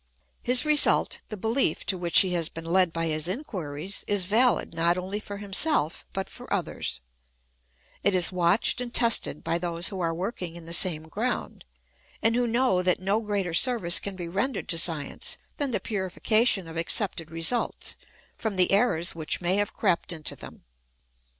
His result, the behef to which he has been led by his in quiries, is valid not only for himself but for others ; it is watched and tested by those who are working in the same ground, and who know that no greater service can be rendered to science than the purification of accepted results from the errors which may have crept into them.